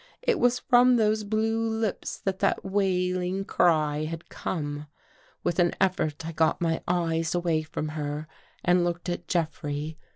It was from those blue lips that that wailing cry had come. With an effort I got my eyes away from her and looked at Jeffrey.